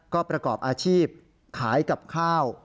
ก็ประกอบอาชีพขายกับข้าว